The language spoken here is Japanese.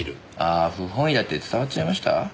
あ不本意だって伝わっちゃいました？